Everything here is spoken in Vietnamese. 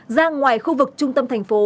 ra ngoài khu vực trung tâm thành phố